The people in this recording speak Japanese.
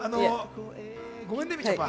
ごめんねみ